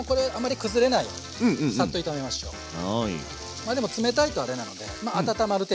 まあでも冷たいとあれなのでまあ温まる程度。